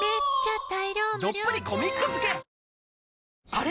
あれ？